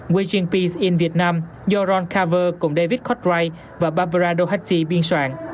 waging peace in vietnam do ron carver cùng david cotright và barbara doherty biên soạn